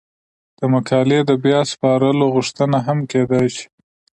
د مقالې د بیا سپارلو غوښتنه هم کیدای شي.